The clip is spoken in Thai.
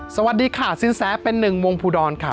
สวัสดีค่ะสินแสเป็นหนึ่งวงภูดรค่ะ